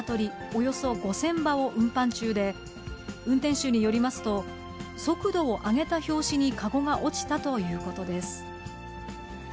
およそ５０００羽を運搬中で、運転手によりますと、速度を上げた拍子に籠が落ちたということです。